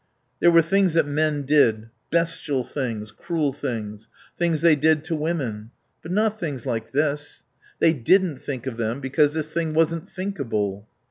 There were things that men did, bestial things, cruel things, things they did to women. But not things like this. They didn't think of them, because this thing wasn't thinkable.